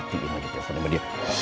itu mati dia lagi